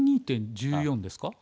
「１２．１４」ですか？